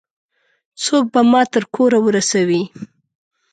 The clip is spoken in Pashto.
څوک به ما تر کوره ورسوي؟